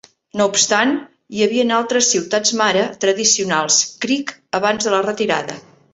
No obstant, hi havien altres "ciutats-mare" tradicionals Creek abans de la retirada.